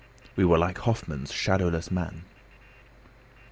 We were like Hoffmann's shadowless man.